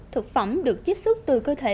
thực phẩm được chiếc xuất từ cơ thể